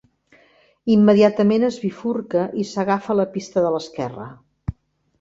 Immediatament es bifurca i s'agafa la pista de l'esquerra.